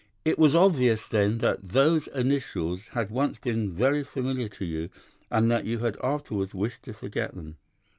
It was obvious, then, that those initials had once been very familiar to you, and that you had afterwards wished to forget them.